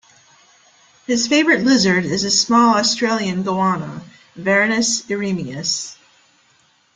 His favorite lizard is a small Australian goanna, "Varanus eremius".